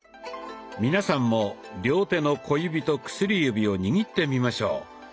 皆さんも両手の小指と薬指を握ってみましょう。